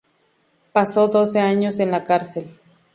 Pasó doce años en la cárcel.